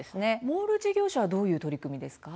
モール事業者はどういう取り組みですか。